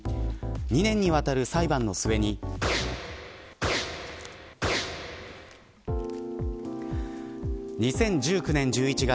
２年にわたる裁判の末に２０１９年１１月。